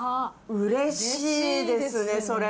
うれしいですね。